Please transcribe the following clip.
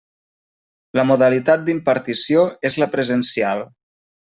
La modalitat d'impartició és la presencial.